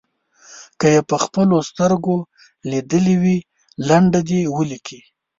که یې په خپلو سترګو لیدلې وي لنډه دې ولیکي.